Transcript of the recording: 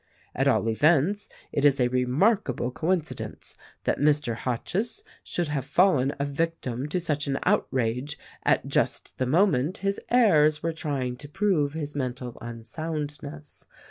At all events, it is a remarkable co incidence that Mr. Hotchiss should have fallen a victim to such an outrage at just the moment his heirs were try ing to prove his mental unsoundness.